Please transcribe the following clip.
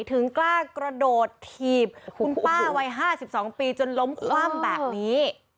ถึงกล้ากระโดดถีบคุณป้าวัย๕๒ปีจนล้มคว่ำแบบนี้